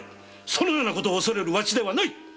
そのような事を恐れるわしではない。